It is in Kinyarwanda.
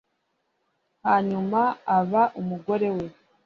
hanyuma aba umugore we.